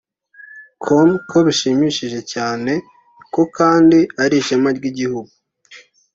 com ko bishimishije cyane ko kandi ari ishema ry’igihugu